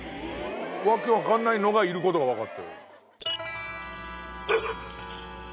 訳分かんないのがいることが分かったよ。